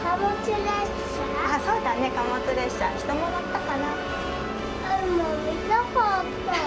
そう、貨物列車、人も乗ったかな。